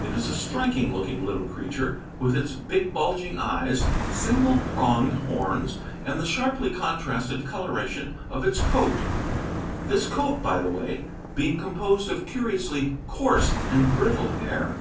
It is a striking looking little creature, with its big bulging eyes, single pronged horns, and the sharply contrasted coloration of its coat; this coat, by the way, being composed of curiously coarse and brittle hair.